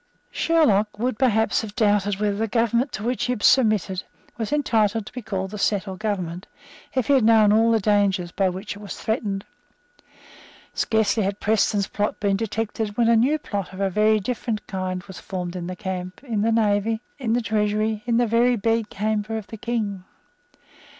Sherlock would, perhaps, have doubted whether the government to which he had submitted was entitled to be called a settled government, if he had known all the dangers by which it was threatened. Scarcely had Preston's plot been detected; when a new plot of a very different kind was formed in the camp, in the navy, in the treasury, in the very bedchamber of the King.